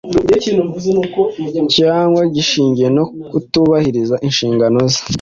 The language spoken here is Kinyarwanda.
cyangwa gishingiye no ku kutubahiriza inshingano ze.